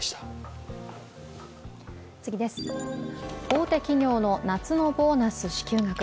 大手企業の夏のボーナス支給額。